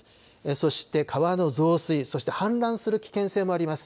そして川の増水、そして氾濫する危険性もあります。